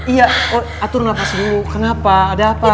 iya atur nafas dulu kenapa ada apa